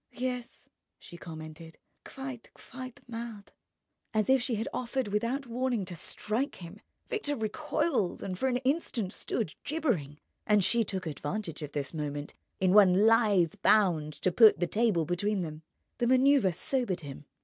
"Yes," she commented: "quite, quite mad." As if she had offered without warning to strike him, Victor recoiled and for an instant stood gibbering. And she took advantage of this moment in one lithe bound to put the table between them. The manoeuvre sobered him.